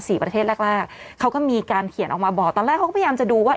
ประเทศแรกแรกเขาก็มีการเขียนออกมาบอกตอนแรกเขาก็พยายามจะดูว่า